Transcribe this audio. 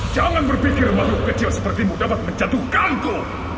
jangan berpikir makhluk kecil sepertimu dapat menjatuhkanku